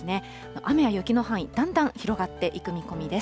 雨や雪の範囲、だんだん広がっていく見込みです。